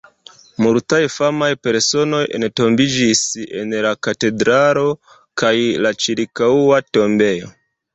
Multaj famaj personoj entombiĝis en la katedralo kaj la ĉirkaŭa tombejo.